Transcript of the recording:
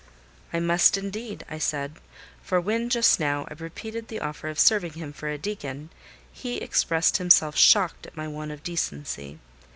"I must indeed," I said; "for when just now I repeated the offer of serving him for a deacon, he expressed himself shocked at my want of decency.